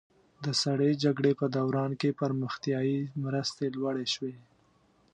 د سړې جګړې په دوران کې پرمختیایي مرستې لوړې شوې.